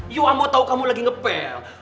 ya ampun tau kamu lagi ngepel